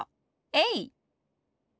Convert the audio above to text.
えい！